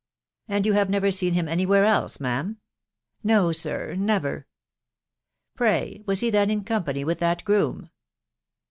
" And you have never seen him any where else, ma'am ?"" No, sir, never." " Pray, was he then in company with that groom?"